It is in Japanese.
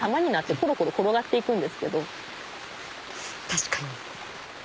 確かに。